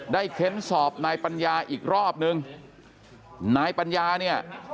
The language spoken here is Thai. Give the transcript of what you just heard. เค้นสอบนายปัญญาอีกรอบนึงนายปัญญาเนี่ย